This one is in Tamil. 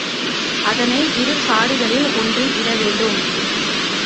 அதனை இரு சாடிகளில் ஒன்றில் இட வேண்டும்.